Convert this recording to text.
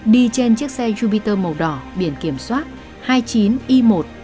đi trên chiếc xe jupiter màu đỏ biển kiểm soát hai mươi chín i một mươi năm nghìn tám trăm tám mươi một